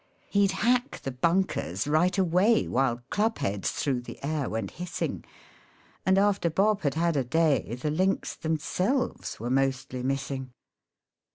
He'd hack the bunkers right away While club heads through the air went hissing, And after Bob had had a day The links themselves were mostly missing.